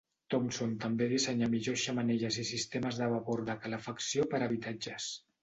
Thompson també dissenyà millors xemeneies i sistemes de vapor de calefacció per a habitatges.